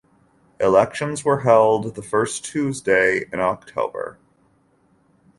Elections were held the first Tuesday in October.